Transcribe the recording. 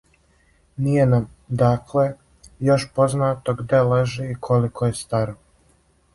Није нам, дакле, још познато где лежи и колико је стара